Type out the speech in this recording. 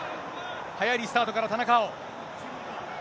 速いリスタートから、田中碧。